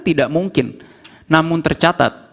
tidak mungkin namun tercatat